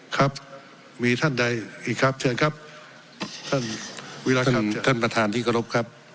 ครับมีท่านใดอีกครับ